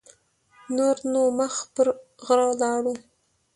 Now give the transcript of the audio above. نور نو مخ پر غره لاړو.